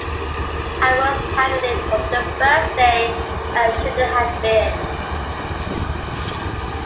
I was handed it from the first day and I shouldn't have been.